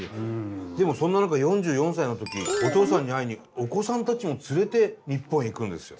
でもそんな中４４歳の時お父さんに会いにお子さんたちも連れて日本へ行くんですよ。